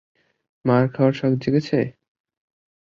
মার খাওয়ার শখ জেগেছে?